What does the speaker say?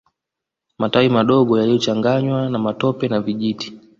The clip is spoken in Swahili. Matawi madogo yaliyochanganywa na matope na vijiti